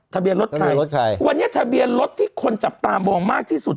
ทะเบียนรถใครรถใครวันนี้ทะเบียนรถที่คนจับตามองมากที่สุด